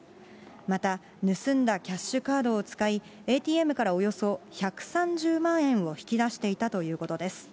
また、盗んだキャッシュカードを使い、ＡＴＭからおよそ１３０万円を引き出していたということです。